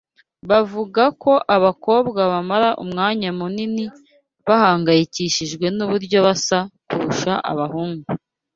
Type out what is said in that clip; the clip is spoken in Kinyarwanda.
Bavuga ko abakobwa bamara umwanya munini bahangayikishijwe nuburyo basa kurusha abahungu.